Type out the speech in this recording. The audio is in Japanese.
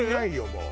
もう。